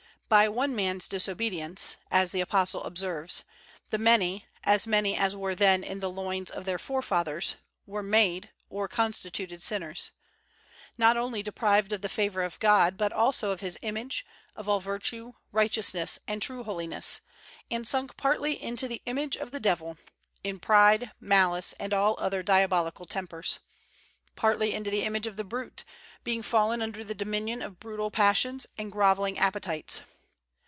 "By one man's dis obedience," as the Apostle observes, the many, as many as were then in the loins of their fore fathers, were made, or constituted sinners: not only deprived of the favor of God, but also of His image, of all virtue, righteousness, and true holiness, and sunk partly into the image of the devil, in pride, malice, and all other diabolical tempers; partly into the image of the brute, being fallen under the dominion of brutal pas sions and groveling appetites.